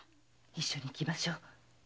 一緒に行きましょう。